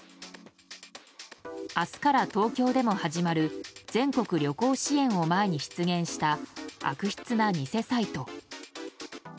明日から東京でも始まる全国旅行支援を前に出現した悪質な偽サイト。